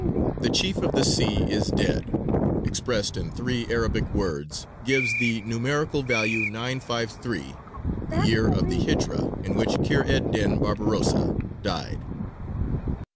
"The chief of the sea is dead," expressed in three Arabic words, gives the numerical value 953, the year of the Hijra in which Kheyr ed dīn Barbarossa died.